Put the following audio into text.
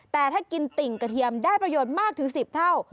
แต่ถ้ากินติ่งกระเทียมได้ประโยชน์มากถึง๑๐เท่า